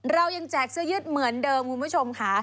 เรายังแจกเสื้อยืดเหมือนเดิมคุณผู้ชมค่ะ